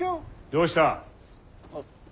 どうした。